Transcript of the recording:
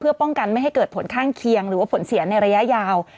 เพื่อป้องกันไม่ให้เกิดผลข้างเคียงหรือว่าผลเสียในระยะยาว